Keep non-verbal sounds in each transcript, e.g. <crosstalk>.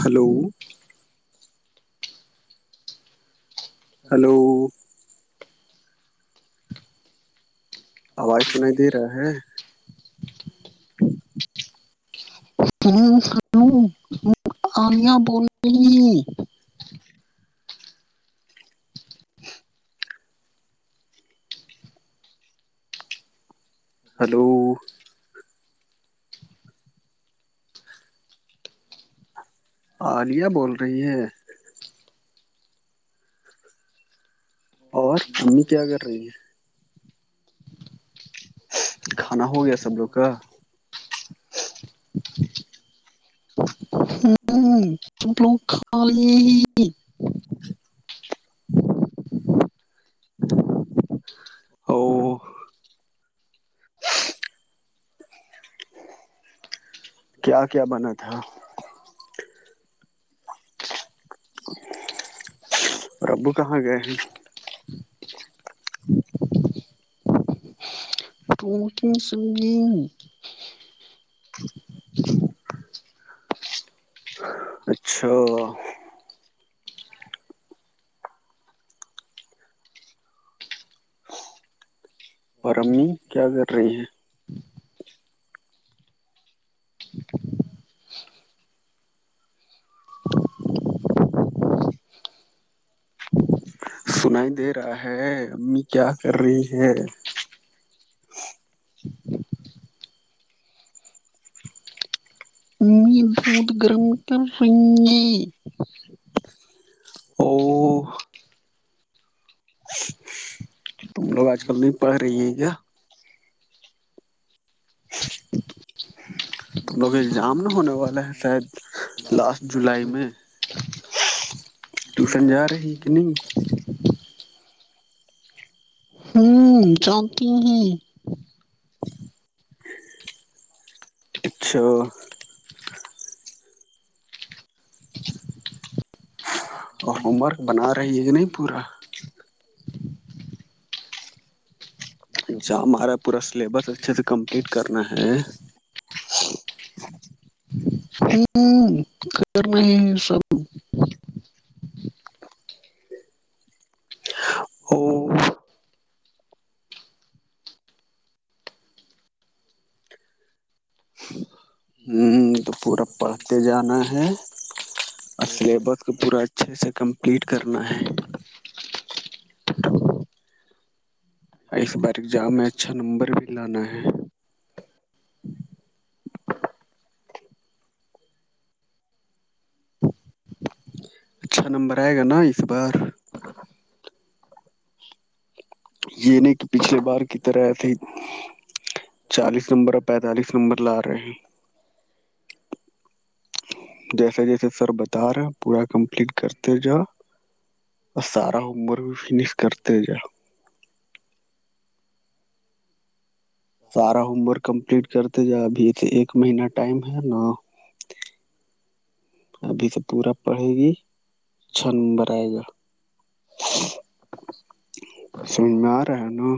hello hello آواز سنائی دے رہا ہے س س آلیا بول رہی ہلو ہ عالیہ بول رہی ہے اور امی کیا کر رہی ہے کھانا ہو گیا سب لوگ کا <unintelligible> سمپلو خال <unintelligible> ا کیا کیا بنا تھا اور ابو کہاں گئے ہیں <inaudible> ک سوگی اچھا اور امی کیا کر رہی ہیں ہے سنائی دے رہا ہے امی کیا کر رہی ہے م بود گرم کر رہے او <unintelligible> ت ہم لوگ آج کل نہیں پڑھ رہی ہے کیا <unintelligible> ت لوگ ایگزام نہ ہونے والا ہے شاید لاسٹ جولائی میں <unintelligible> ٹیوشن جا رہی ہے کہ نہیں ہوں چاہتی ہ ہیں اچھا اور ہوم ورک بنا رہی ہے کہ نہیں پورا اا ہمارا پورا سلیبس اچھے سے کمپلیٹ کرنا ہے ہوں خبر نہیں ہے سب او ہ تو پورا پڑھتے جانا ہے اور سلیبس اس کو پورا اچھے سے کمپلیٹ کرنا ہے اور اس باریک جام میں اچھا نمبر بھی لانا ہے <unintelligible> اچھا نمبر آئے گا نا اس بار <unintelligible> یہ نہیں کہ پچھللی بار کی طرح تھی چالیس نمبر اور پینتالیس نمبر لا رہے ہیں جیسے جیسے سر بتا رہے ہیں پورا کمپلیٹ کرتے جاؤ اور سارا عمر بھی فنش کرتے جا سارا ہوم ورک کمپلیٹ کرتے جا ابھی ایک مہین ٹائم ہے نا ابھی تو پورا پڑھے گی چھ نمبر آئے گا سج میں رہا ہے نا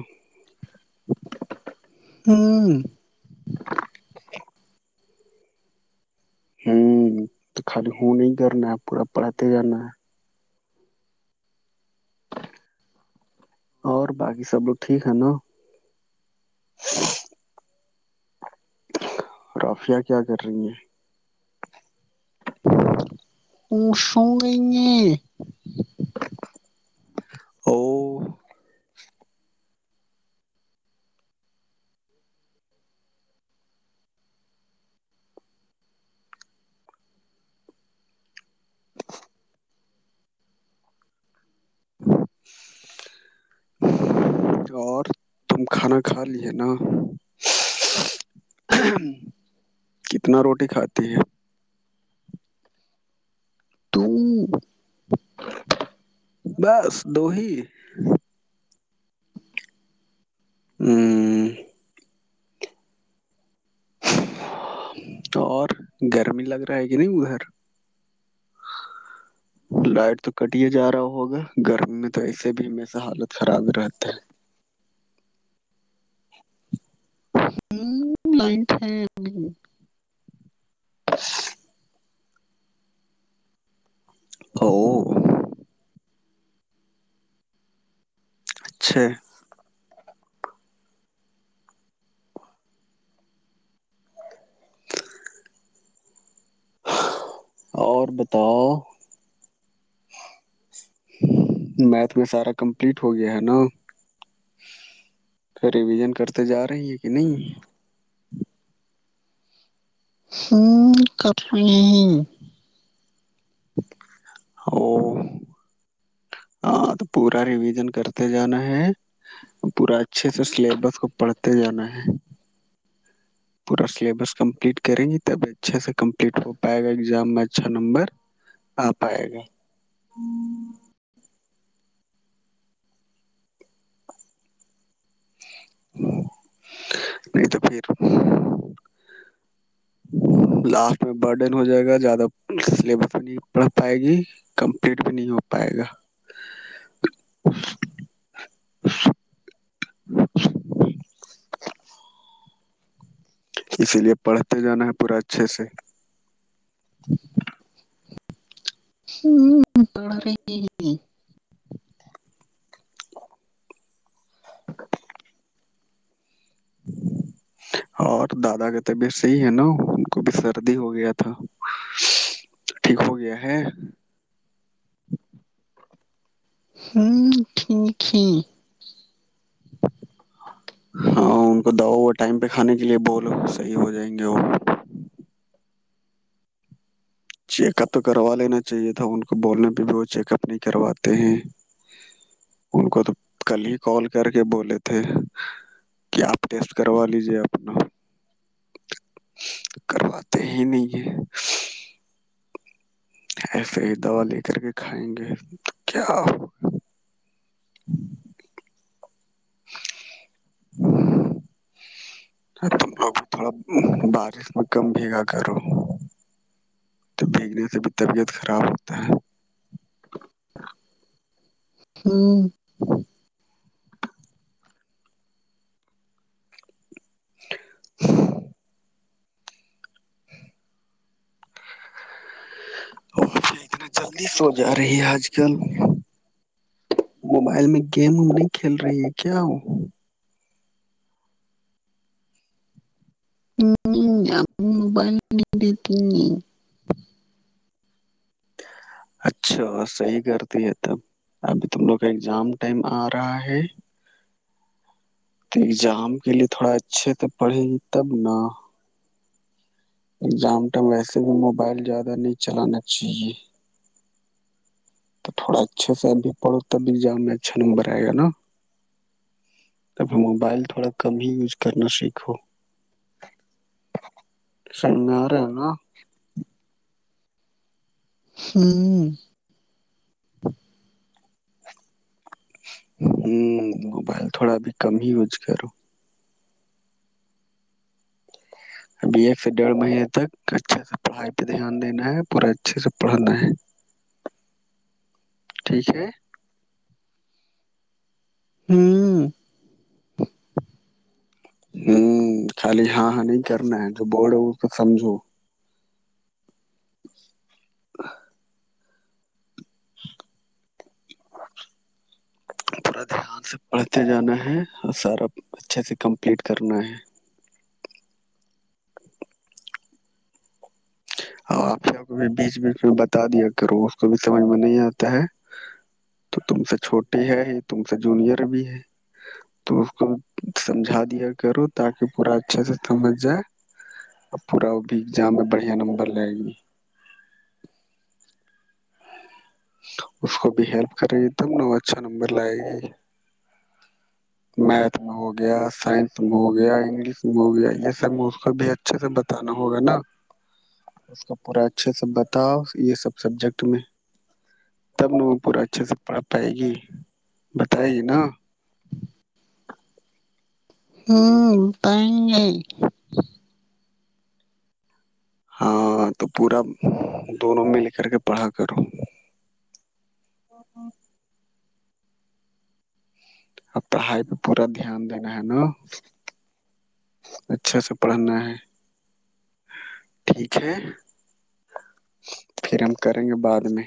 ہاں ہوں تو خالی ہو نہیں ہی کرنا ہے پورا پڑتے جانا ہے اور باقی سب لوگ ٹھیک ہے نا رافعیہ کیا کر رہی ہیں او سورہی ہے او <unintelligible> اور تم کھانا کھا لیے نا کتنا روٹی کھاتی ہے تو بس دو ہیی ہوں اور گرمی لگ رہا ہے کہ نہیں ادھر لائٹ تو کٹیا جا رہا ہوگا گرمی میں تو ایسے بھی ہش حالت خراب رہتا ہے ہ لائن تھ ہے <unintelligible> اچھا اور بتاؤ میتھ میں سارا کمپلیٹ ہو گیا ہے نا پ ریویژن کرتے جا رہی ہیں کہ نہیں ہ کاٹ نہیں او ہاں تو پورا ریویژن کرتے جانا ہے پورا اچھے سے سلیبس کو پڑھتے جانا ہے پورا سلیبس کمپلیٹ کریں گی تبھی اچھے سے کمپلیٹ ہو پائے گا ایگزام میں اچھا نمبر آ آائے گا <unintelligible> نہیں تو پھر لاسٹ اس میں برڈن ہو جائے گا زیادہ سلیبس میں نہیں پڑھ پائے گی کمپلیٹ بھی نہیں ہو پائے گا اسی لیے پڑھتے جانا ہے پورا اچھے سے ہ توڑ رہ <unintelligible> <unintelligible> ہ اور دادا کا تبیت صحیح ہے نا ان کو بھی سردی ہو گیا تھا ٹھیک ہو گیا ہے ہوں ٹھیک ہی ہاں ان کو دوا ہوا ٹائم پہ کھانے کے لیے بولو صحیح ہو جائیں گے وہ چیک اپ تو کروا لینا چاہیے تھا ان کو بولنے پہ بھی وہ چیک اپ نہیں کرواتے ہیں ان کو تو کل ہی کال کر کے بولے تھے کیا آپ ٹیسٹ کروا لیجیے اپنا کرواتے ہی نہیں ہیں ایسے ہی دوا لے کر کے کھائیں گے تو کیا ہوا ٹ ا پ لگ تھوڑا بارش م کم بھیگا کرو تو بھیگنے سے بھی طبیعت خراب ہوتا ہے ہوں <inaudible> پ اتنا جلدی سو جا رہی ہے آج کل موبائل میں گیم نہیں کھیل رہی ہے کیا ہو ہ موبائل نہیں دیتی اچھا صحیح کرتی ہے تب ابھی تم لوگ کا اگزام ٹائم آ رہا ہے تو ایگزام کے لیے تھوڑا اچھے تو پڑھے گی تب نا ایگزام ٹائم ویسے بھی موبائل زیادہ نہیں چلانا چاہیے تو تھوڑا اچھے سے ابھی پڑو تب ایگزام میں اچھا نمبر آئے گ نا تب موبائل تھوڑا کم ہی یوز کرنا سیکھو شنگار ہے نا ہوں ہوں موبائل تھوڑا ا بھی کم ہی یوز کرو ابھی ایک سے ڈیڑھ مہینے تک اچھے سے پڑھائی پہ دھیان دینا ہے پورا اچھے سے پڑھا ہے ٹھیک ہے ہا <unintelligible> <inaudible> ہوں خالی ہاں ہاں نہیں کرنا ہے جو بڈ ہے وہ تو سمجھو ہ <inaudible> پورا دھیان سے پڑھتے جانا ہے اور سارا اچھے سے کمپلیٹ کرنا ہے اور آپیا کو بھی بیچ بیچ میں بتا دیا کرو اس کو بھی سمجھ میں نہیں آتا ہے تو تم سے چھوٹی ہے ہی تم سے جونیئر بھی ہے تو اس کو سمجھا دیا کرو تاکہ پورا اچھا سے سمج جائے اور پورا وہ بھی ایگزام میں بڑھیا نمبر لے گی اس کو بھی ہیلپ کرے گی تب ن وہ اچھا نمبر لائے گی میتھ میں ہوگیا سائنس میں ہو گیا انگلش میں ہو گیا یہ سب اس کو بھی اچھے سے بتا بتانا ہوگا نا اس کا پورا اچھے سے بتاؤ یہ سب سبجیکٹ میں تب نہ وہ پورا اچھے سے پڑھ پائے گی بتائے گی نا ہوں پن <unintelligible> ہاں تو پورا دونوں مل کر کے پڑھا کرو اب پڑھائی پہ پورا دھیان دینا ہے نا اچھا سے پڑھنا ہے ٹھیک ہے پھر ہم کریں گے بعد میں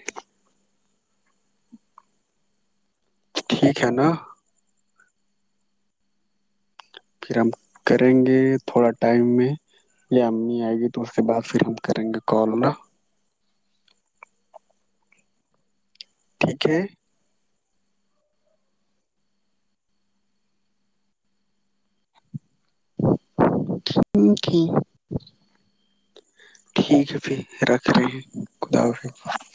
ٹھیک ہے نا پھر ہم کریں گے تھوڑا ٹائم میں یا امی آئے گی تو اس کے بعد پھر ہم کریں گے کال ہولا ٹھیک ہے ہک <unintelligible> ٹھیک ہے پھر رکھ رہے ہیں خدا حافظ